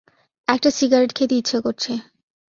একটা সিগারেট খেতে ইচ্ছা করছে।